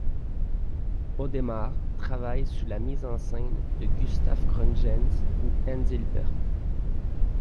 Odemar travaille sous la mise en scène de Gustaf Gründgens ou Heinz Hilpert.